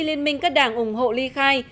liên minh các đảng ủng hộ ly khai